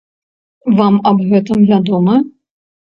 Вам аб гэтым вядома?